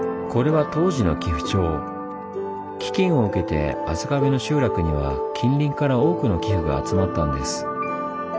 飢饉を受けて浅ヶ部の集落には近隣から多くの寄付が集まったんです。